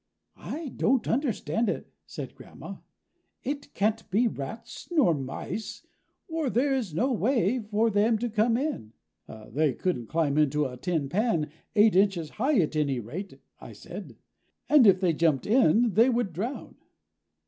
"I don't understand it," said Grandma. "It can't be rats, nor mice, for there is no way for them to come in." "They couldn't climb into a tin pan eight inches high, at any rate," I said, "and if they jumped in they would drown."